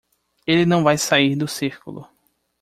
Ele não vai sair do círculo.